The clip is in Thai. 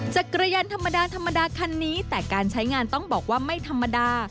จักรยานธรรมดาธรรมดาคันนี้แต่การใช้งานต้องบอกว่าไม่ธรรมดา